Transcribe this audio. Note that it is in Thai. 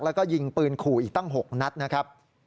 แล้วก็ยิงปืนขู่อีกตั้ง๖นัดนะครับ